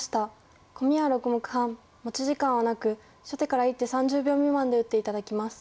コミは６目半持ち時間はなく初手から１手３０秒未満で打って頂きます。